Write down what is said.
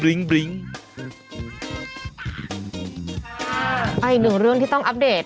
อีกหนึ่งเรื่องที่ต้องอัปเดต